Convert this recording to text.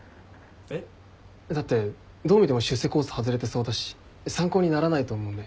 だってどう見ても出世コース外れてそうだし参考にならないと思うんで。